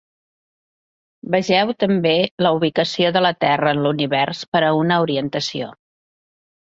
Vegeu també la ubicació de la terra en l'univers per a una orientació.